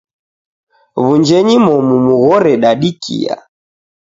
Wunjenyi momu mughore dadikia.